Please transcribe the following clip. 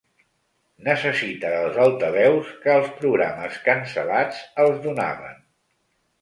Necessita dels altaveus que els programes cancel·lats els donaven.